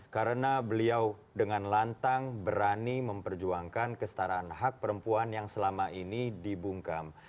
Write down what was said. karena beliau dengan lantang berani memperjuangkan kestaraan hak perempuan yang selama ini dibungkam